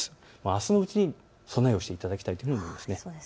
あすのうちに備えをしていただきたいと思います。